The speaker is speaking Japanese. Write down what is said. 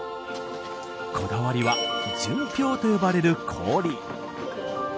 こだわりは「純氷」と呼ばれる氷。